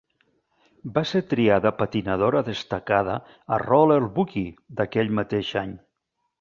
Va ser triada patinadora destacada a "Roller Boogie" aquell mateix any.